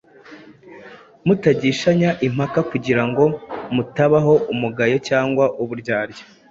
mutagishanya impaka kugira ngo mutabaho umugayo cyangwa uburyarya,